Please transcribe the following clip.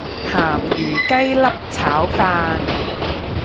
咸魚雞粒炒飯